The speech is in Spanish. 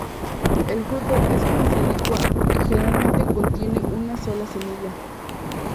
El fruto es una silicua que generalmente contiene una sola semilla.